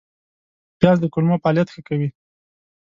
پیاز د کولمو فعالیت ښه کوي